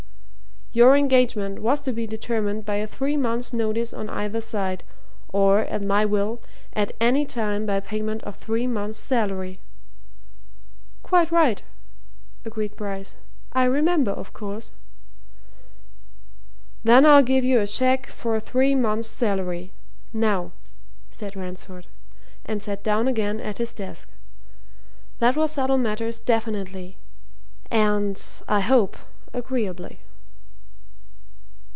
"Your engagement was to be determined by a three months' notice on either side, or, at my will, at any time by payment of three months' salary?" "Quite right," agreed Bryce. "I remember, of course." "Then I'll give you a cheque for three months' salary now," said Ransford, and sat down again at his desk. "That will settle matters definitely and, I hope, agreeably."